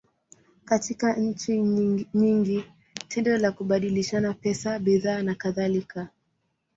Katika nchi nyingi, tendo la kubadilishana pesa, bidhaa, nakadhalika.